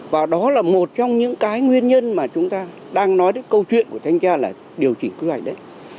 và đó là một trong những cái nguyên nhân mà chúng ta đang nói đến câu chuyện của thanh tra là điều chỉnh quy hoạch đấy